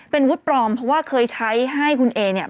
เป็นวุฒิปลอมเพราะว่าเคยใช้ให้คุณเอเนี่ย